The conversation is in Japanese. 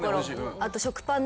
あと。